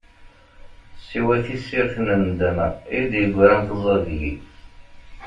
Siwa tissirt n nndama i d-yegran tezzaḍ deg-i.